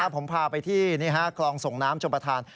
ผมพาไปที่คลองส่งน้ำชมประธาน